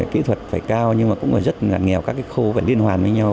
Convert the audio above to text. kỹ thuật phải cao nhưng mà cũng rất là ngặt nghèo các cái khu phải liên hoàn với nhau